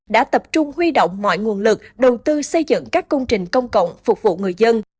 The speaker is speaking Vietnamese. đã tập trung huy động mọi nguồn lực đầu tư xây dựng các công trình công cộng phục vụ người dân